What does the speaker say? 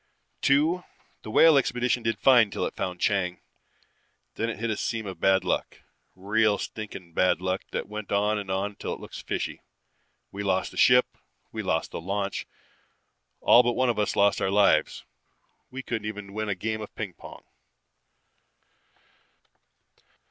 (2) The Whale expedition did fine till it found Chang. Then it hit a seam of bad luck. Real stinking bad luck that went on and on till it looks fishy. We lost the ship, we lost the launch, all but one of us lost our lives. We couldn't even win a game of ping pong.